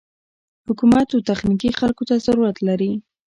حکومت و تخنيکي خلکو ته ضرورت لري.